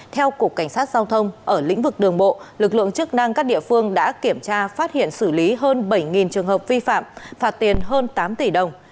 theo cục cảnh sát giao thông ở lĩnh vực đường bộ lực lượng chức năng các địa phương đã kiểm tra phát hiện xử lý hơn bảy trường hợp vi phạm phạt tiền hơn tám tỷ đồng